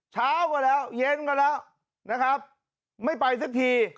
เช้าก็แล้วเย็นก็แล้วนะครับไม่ไปสักที